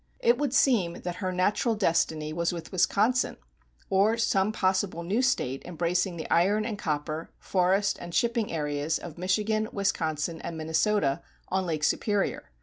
It would seem that her natural destiny was with Wisconsin, or some possible new State embracing the iron and copper, forest and shipping areas of Michigan, Wisconsin, and Minnesota on Lake Superior.